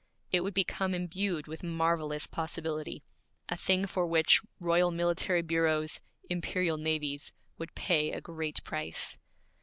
It would become imbued with marvelous possibility, a thing for which royal military bureaus, imperial navies, would pay a great price.